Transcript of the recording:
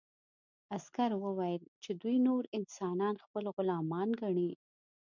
عسکر وویل چې دوی نور انسانان خپل غلامان ګڼي